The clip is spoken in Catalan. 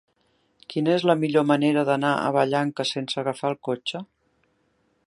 Quina és la millor manera d'anar a Vallanca sense agafar el cotxe?